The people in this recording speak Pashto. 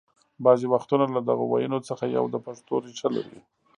بعضې وختونه له دغو ويونو څخه یو د پښتو ریښه لري